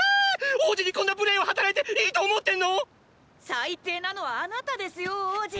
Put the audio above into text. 王子にこんな無礼を働いていいと思ってんの⁉・最低なのはあなたですよ王子！！